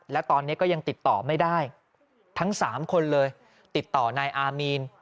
แล้วตอนนี้ก็ยังติดต่อไม่ได้ทั้ง๓คนเลยติดต่อนายอามีน